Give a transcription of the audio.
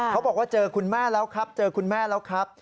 เขาบอกว่าเจอคุณแม่แล้วครับ